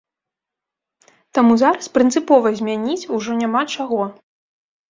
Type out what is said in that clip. Таму зараз прынцыпова змяніць ужо няма чаго.